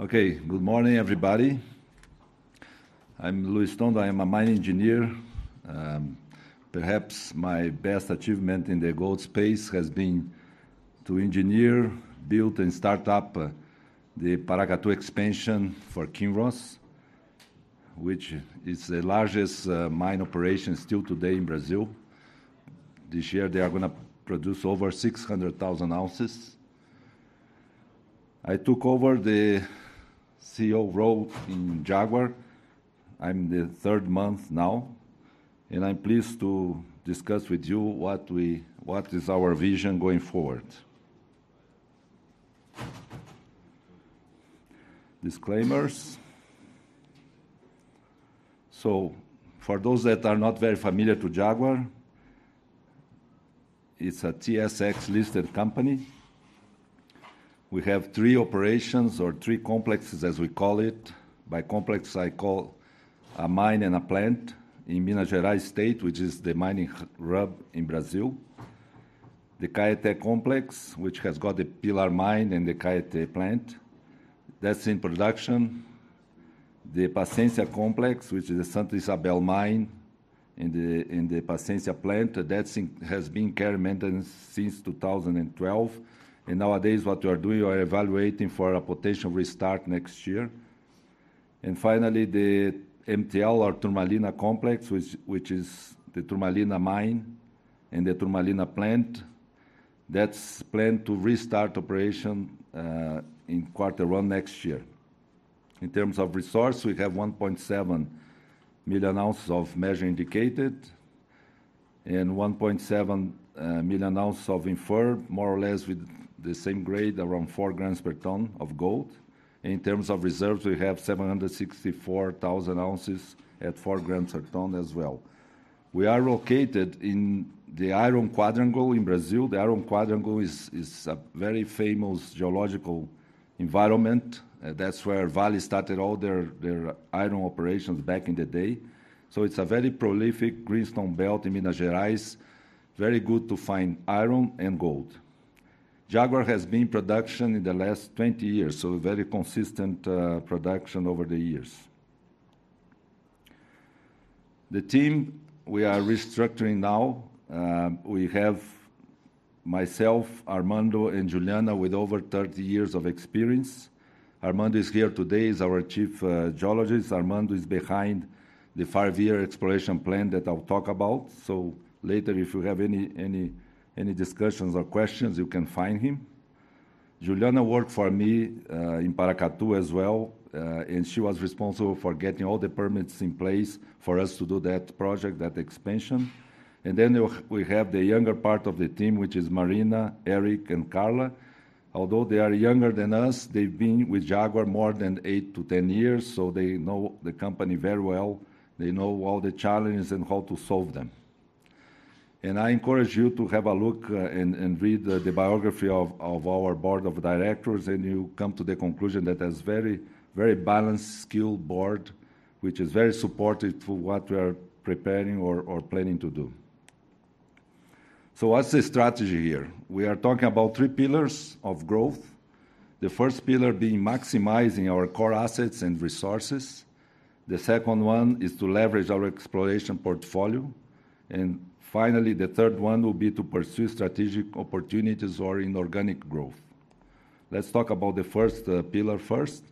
Okay, good morning, everybody. I'm Luis Tondo, I'm a mine engineer. Perhaps my best achievement in the gold space has been to engineer, build, and start up the Paracatu Expansion for Kinross, which is the largest mine operation still today in Brazil. This year, they are going to produce over 600,000 ounces. I took over the CEO role in Jaguar. I'm the third month now, and I'm pleased to discuss with you what is our vision going forward. Disclaimers. So, for those that are not very familiar with Jaguar, it's a TSX-listed company. We have three operations, or three complexes, as we call it. By complex, I call a mine and a plant in Minas Gerais State, which is the mining hub in Brazil. The Caeté Complex, which has got the Pilar Mine and the Caeté Plant, that's in production. The Paciência Complex, which is the Santa Isabel Mine and the Paciência Plant, that has been on care and maintenance since 2012. Nowadays, what we are doing, we are evaluating for a potential restart next year. Finally, the MTL, or Turmalina Complex, which is the Turmalina Mine and the Turmalina Plant, that's planned to restart operation in quarter one next year. In terms of resource, we have 1.7 million ounces of Measured and Indicated and 1.7 million ounces of Inferred, more or less with the same grade, around four grams per ton of gold. In terms of reserves, we have 764,000 ounces at four grams per ton as well. We are located in the Iron Quadrangle in Brazil. The Iron Quadrangle is a very famous geological environment. That's where Vale started all their iron operations back in the day. It's a very prolific greenstone belt in Minas Gerais, very good to find iron and gold. Jaguar has been in production in the last 20 years, so very consistent production over the years. The team we are restructuring now, we have myself, Armando, and Juliana with over 30 years of experience. Armando is here today, is our Chief Geologist. Armando is behind the five-year exploration plan that I'll talk about. So, later, if you have any discussions or questions, you can find him. Juliana worked for me in Paracatu as well, and she was responsible for getting all the permits in place for us to do that project, that expansion. And then we have the younger part of the team, which is Marina, Eric, and Carla. Although they are younger than us, they've been with Jaguar more than 8 years-10 years, so they know the company very well. They know all the challenges and how to solve them. And I encourage you to have a look and read the biography of our board of directors, and you come to the conclusion that it's a very, very balanced, skilled board, which is very supportive to what we are preparing or planning to do. So, what's the strategy here? We are talking about three pillars of growth. The first pillar being maximizing our core assets and resources. The second one is to leverage our exploration portfolio. And finally, the third one will be to pursue strategic opportunities or inorganic growth. Let's talk about the first pillar first.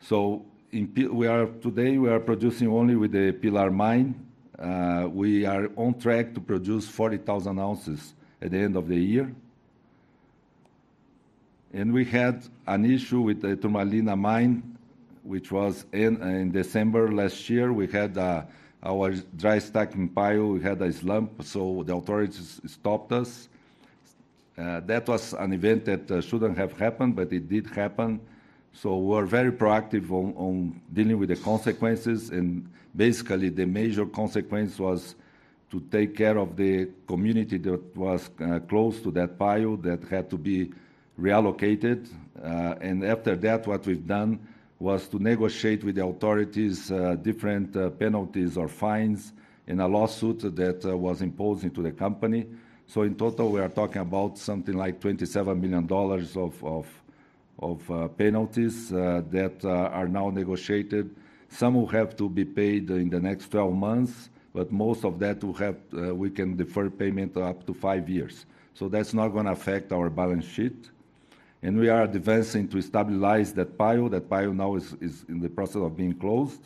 So, today, we are producing only with the Pilar Mine. We are on track to produce 40,000 ounces at the end of the year. And we had an issue with the Turmalina Mine, which was in December last year. We had our dry stacking pile, we had a slump, so the authorities stopped us. That was an event that shouldn't have happened, but it did happen. So, we were very proactive on dealing with the consequences. And basically, the major consequence was to take care of the community that was close to that pile that had to be relocated. And after that, what we've done was to negotiate with the authorities different penalties or fines in a lawsuit that was imposed into the company. So, in total, we are talking about something like $27 million of penalties that are now negotiated. Some will have to be paid in the next 12 months, but most of that we can defer payment up to five years. So, that's not going to affect our balance sheet. And we are advancing to stabilize that pile. That pile now is in the process of being closed.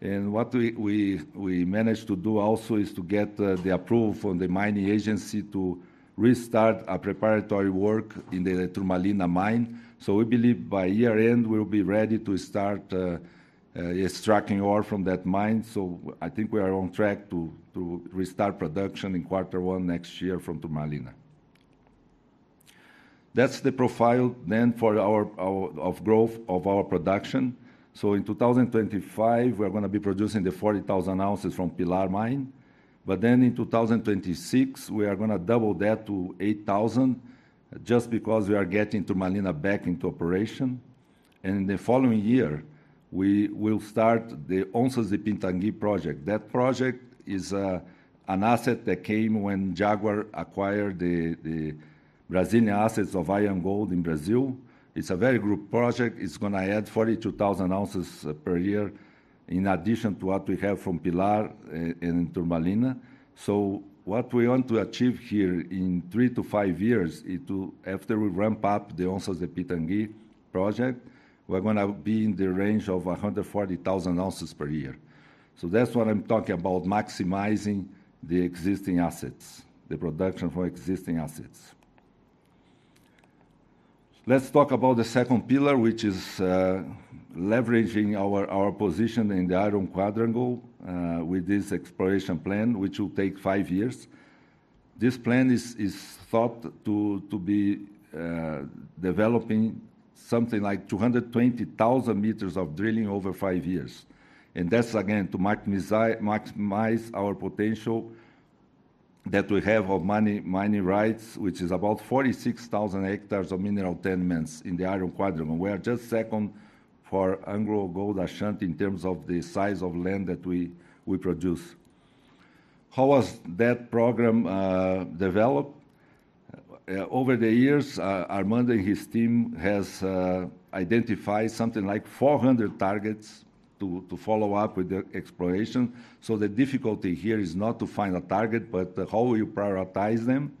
And what we managed to do also is to get the approval from the mining agency to restart preparatory work in the Turmalina Mine. So, we believe by year-end, we'll be ready to start extracting ore from that mine. So, I think we are on track to restart production in quarter one next year from Turmalina. That's the profile then for our growth of our production. So, in 2025, we're going to be producing the 40,000 ounces from Pilar Mine. But then in 2026, we are going to double that to 80,000 ounces just because we are getting Turmalina back into operation. And in the following year, we will start the Onças de Pitangui project. That project is an asset that came when Jaguar acquired the Brazilian assets of IAMGOLD in Brazil. It's a very good project. It's going to add 42,000 ounces per year in addition to what we have from Pilar and Turmalina. So, what we want to achieve here in three to five years is to, after we ramp up the Onças de Pitangui project, we're going to be in the range of 140,000 ounces per year. So, that's what I'm talking about, maximizing the existing assets, the production from existing assets. Let's talk about the second pillar, which is leveraging our position in the Iron Quadrangle with this exploration plan, which will take five years. This plan is thought to be developing something like 220,000 meters of drilling over five years. And that's, again, to maximize our potential that we have of mining rights, which is about 46,000 hectares of mineral tenements in the Iron Quadrangle. We are just second to AngloGold Ashanti in terms of the size of land that we hold. How was that program developed? Over the years, Armando and his team have identified something like 400 targets to follow up with the exploration. So, the difficulty here is not to find a target, but how will you prioritize them?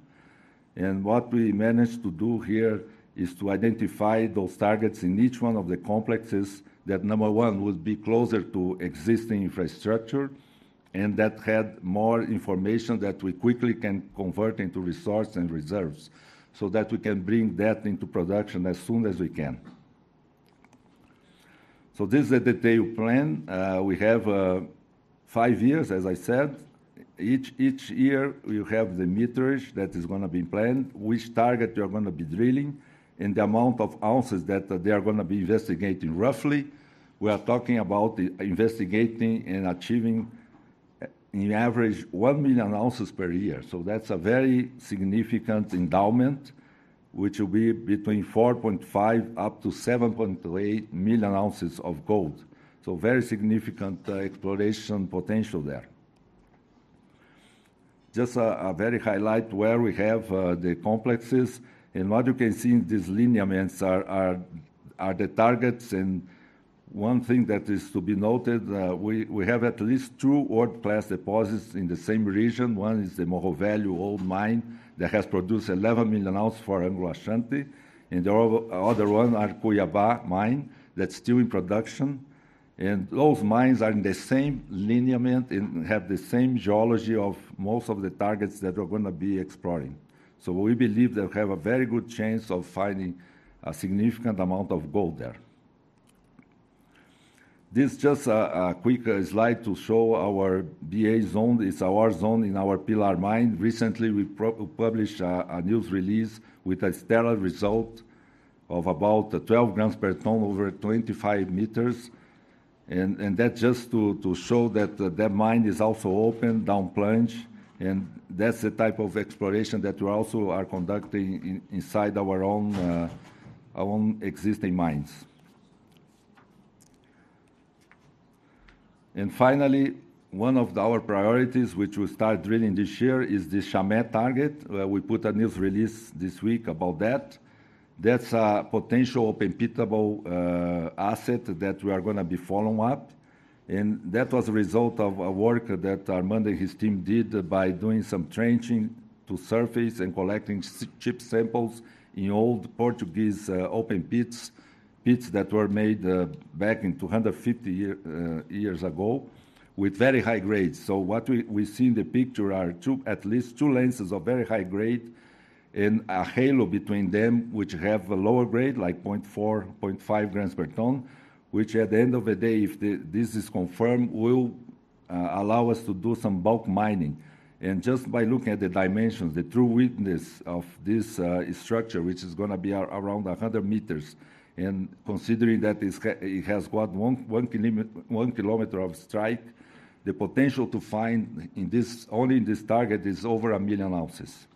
And what we managed to do here is to identify those targets in each one of the complexes that, number one, would be closer to existing infrastructure and that had more information that we quickly can convert into resource and reserves so that we can bring that into production as soon as we can. So, this is the detailed plan. We have five years, as I said. Each year, we have the meterage that is going to be planned, which target we are going to be drilling, and the amount of ounces that they are going to be investigating. Roughly, we are talking about investigating and achieving, on average, one million ounces per year. So that's a very significant endowment, which will be between 4.5 million ounces and 7.8 million ounces of gold. Very significant exploration potential there. Just a very highlight where we have the complexes. And what you can see in these lineaments are the targets. One thing that is to be noted, we have at least two world-class deposits in the same region. One is the Morro Velho Mine that has produced 11 million ounces for AngloGold Ashanti. The other one is Cuiabá Mine that's still in production. Those mines are in the same lineament and have the same geology of most of the targets that we're going to be exploring. We believe they have a very good chance of finding a significant amount of gold there. This is just a quick slide to show our BA Zone. It's our zone in our Pilar Mine. Recently, we published a news release with a stellar result of about 12 grams per ton over 25 meters, and that's just to show that that mine is also open, downplunge, and that's the type of exploration that we also are conducting inside our own existing mines, and finally, one of our priorities, which we start drilling this year, is the Chamé target. We put a news release this week about that. That's a potential open-pittable asset that we are going to be following up, and that was a result of work that Armando and his team did by doing some trenching to surface and collecting chip samples in old Portuguese open pits, pits that were made back in 250 years ago with very high grades. What we see in the picture are at least two lenses of very high grade and a halo between them, which have a lower grade, like 0.4 grams, 0.5 grams per ton, which at the end of the day, if this is confirmed, will allow us to do some bulk mining. And just by looking at the dimensions, the true width of this structure, which is going to be around 100 meters, and considering that it has got one kilometer of strike, the potential to find only in this target is over a million ounces.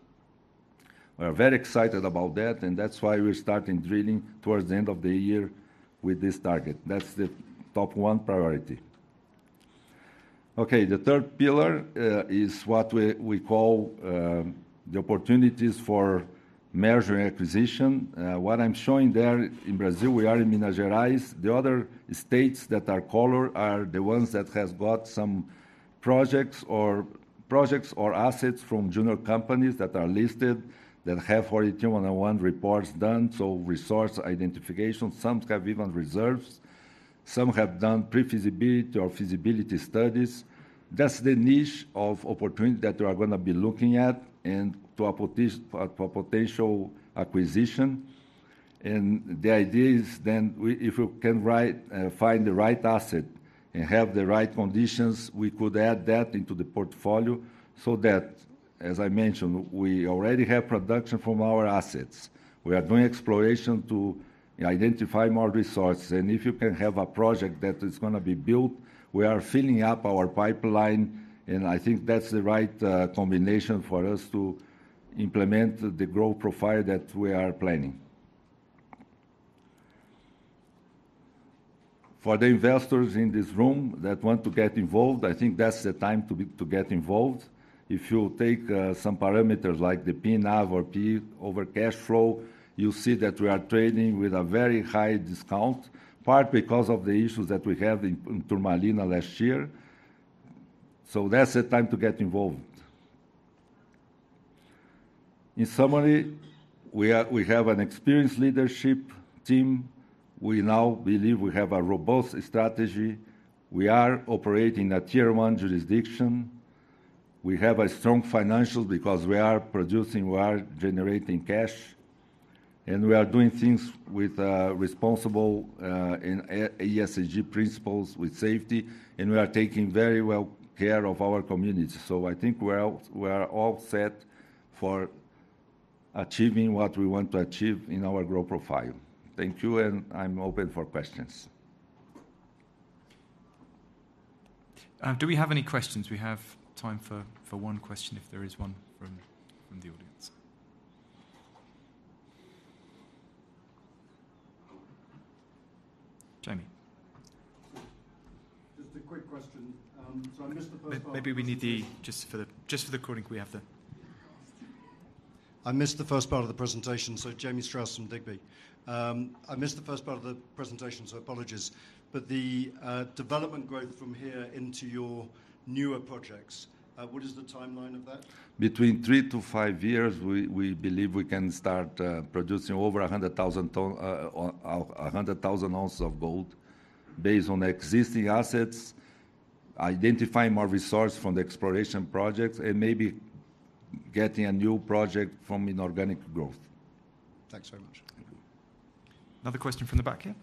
We are very excited about that, and that's why we're starting drilling towards the end of the year with this target. That's the top one priority. Okay, the third pillar is what we call the opportunities for M&A. What I'm showing there in Brazil, we are in Minas Gerais. The other states that are colored are the ones that have got some projects or assets from junior companies that are listed that have NI 43-101 reports done, so resource identification. Some have even reserves. Some have done pre-feasibility or feasibility studies. That's the niche of opportunity that we are going to be looking at and to a potential acquisition, and the idea is then if we can find the right asset and have the right conditions, we could add that into the portfolio so that, as I mentioned, we already have production from our assets. We are doing exploration to identify more resources, and if you can have a project that is going to be built, we are filling up our pipeline, and I think that's the right combination for us to implement the growth profile that we are planning. For the investors in this room that want to get involved, I think that's the time to get involved. If you take some parameters like the P/NAV or P/CF, you'll see that we are trading with a very high discount, part because of the issues that we had in Turmalina last year. So, that's the time to get involved. In summary, we have an experienced leadership team. We now believe we have a robust strategy. We are operating in a tier-one jurisdiction. We have strong financials because we are producing, we are generating cash. And we are doing things with responsible ESG principles, with safety. And we are taking very well care of our community. So, I think we are all set for achieving what we want to achieve in our growth profile. Thank you, and I'm open for questions. Do we have any questions? We have time for one question if there is one from the audience. Jamie. Just a quick question. So, I missed the first part of the presentation. So, Jamie Strauss from Digbee. I missed the first part of the presentation, so apologies. But the development growth from here into your newer projects, what is the timeline of that? Between three years-five years, we believe we can start producing over 100,000 ounces of gold based on existing assets, identifying more resources from the exploration projects, and maybe getting a new project from inorganic growth. Thanks very much. Another question from the back here.